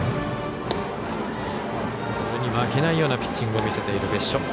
それに負けないようなピッチングを見せている別所。